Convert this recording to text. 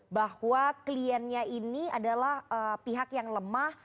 bahwa kliennya ini adalah pihak yang lemah